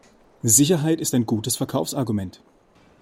Sicherheit ist ein gutes Verkaufsargument.